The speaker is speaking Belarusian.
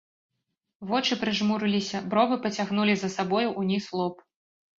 Вочы прыжмурыліся, бровы пацягнулі за сабою ўніз лоб.